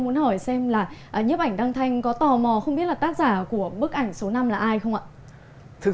muốn hỏi xem là nhiếp ảnh đăng thanh có tò mò không biết là tác giả của bức ảnh số năm là ai không ạ